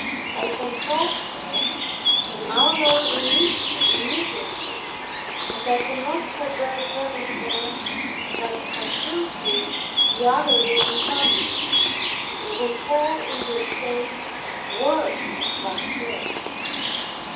I consoled her and our Lord relieved her immediately. But I could not forbear telling her that assuredly the other would be punished, and would fall into a state worse than hers.